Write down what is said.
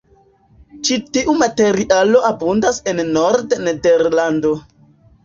Ĉi tiu materialo abundas en Nord-Nederlando.